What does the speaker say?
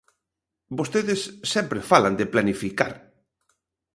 Vostedes sempre falan de planificar.